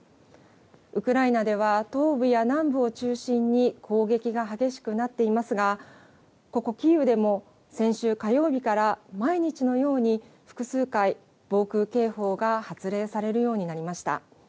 ウクライナでは東部や南部を中心に攻撃が激しくなっていますが、ここキーウでも、先週火曜日から毎日のように複数回、防空警報が発令されるようになりました。